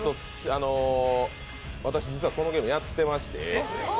私、実はこのゲームやってまして。